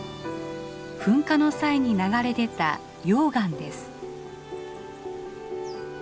噴火の際に流れ出た溶岩です。